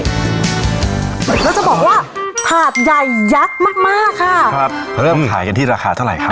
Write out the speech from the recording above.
แล้วจะบอกว่าถาดใหญ่ยักษ์มากมากค่ะครับเริ่มขายกันที่ราคาเท่าไหร่ครับ